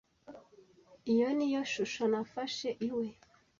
Iyi niyo shusho nafashe iwe.